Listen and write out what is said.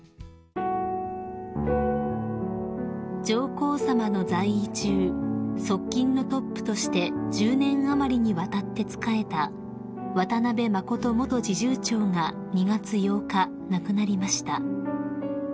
［上皇さまの在位中側近のトップとして１０年余りにわたって仕えた渡辺允元侍従長が２月８日亡くなりました］